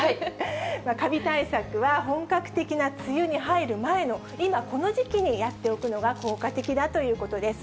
かび対策は本格的な梅雨に入る前の、今、この時期にやっておくのが効果的だということです。